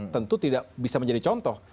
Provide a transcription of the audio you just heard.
tentu tidak bisa menjadi contoh